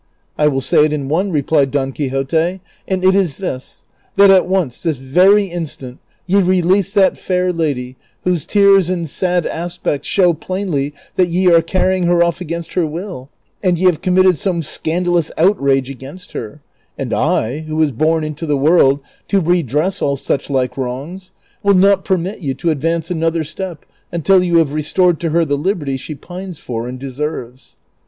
" I Avill say it in one," replied Don Quixote, " and it is this ; that at once, this very instant, ye release that fair lady whose tears and sad aspect shoAV plainly that ye are carrying her off against her Avill, and that ye have committed some scandalous outrage against her ; and I, Avho Avas l^orn into the Avorld to redress all such like Avrongs, Avill not permit you to advance another step initil you have restored to her the liberty she pines for and deserves."